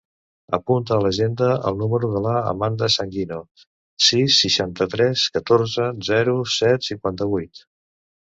Apunta a l'agenda el número de l'Amanda Sanguino: sis, seixanta-tres, catorze, zero, set, cinquanta-vuit.